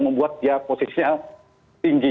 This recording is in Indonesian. membuat dia posisinya tinggi